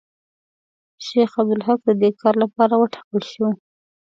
شیخ عبدالحق د دې کار لپاره وټاکل شو.